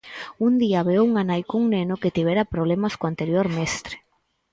Un día veu unha nai cun neno que tivera problemas co anterior mestre.